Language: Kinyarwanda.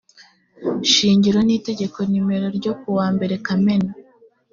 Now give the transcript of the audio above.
shingiro n itegeko nimero ryo kuwambere kamena